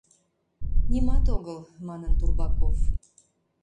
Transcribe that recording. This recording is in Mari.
— Нимат огыл, — манын Турбаков.